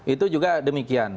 itu juga demikian